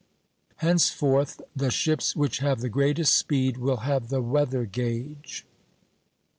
Henceforth the ships which have the greatest speed will have the weather gage.